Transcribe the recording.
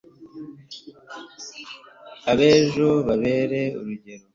abejo tubabere urugero